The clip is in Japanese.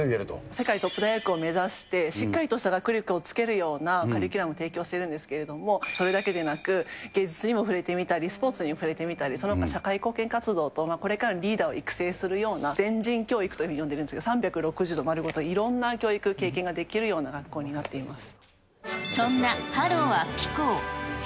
世界トップ大学を目指して、しっかりとした学力をつけるようなカリキュラムを提供しているんですけれども、それだけでなく、芸術にも触れてみたり、スポーツにも触れてみたりそのほか、社会貢献活動等、これからのリーダーを育成するような、全人教育というふうによんでるんですけれども、３６０度丸ごと、いろんな教育、経験ができるような学校になっています。